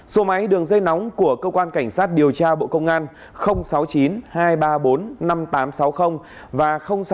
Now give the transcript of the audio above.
số máy đường dây nóng của cơ quan cảnh sát điều tra bộ công an sáu mươi chín hai trăm ba mươi bốn năm nghìn tám trăm sáu mươi và sáu mươi chín hai trăm ba mươi hai một nghìn sáu trăm bảy